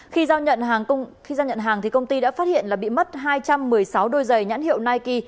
khi giao nhận hàng công ty đã phát hiện bị mất hai trăm một mươi sáu đôi giày nhãn hiệu nike